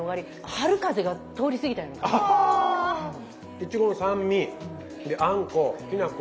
イチゴの酸味。であんこきな粉。